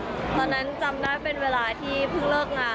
ตอนนั้นจำได้เป็นเวลาที่เพิ่งเลิกงาน